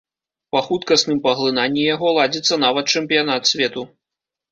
Па хуткасным паглынанні яго ладзіцца нават чэмпіянат свету.